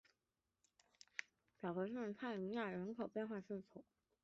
小尚帕尼亚人口变化图示